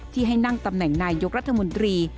ที่ให้นั่งตำแหน่งนายยกรัฐมนตรี